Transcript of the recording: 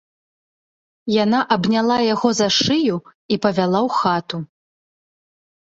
Яна абняла яго за шыю і павяла ў хату.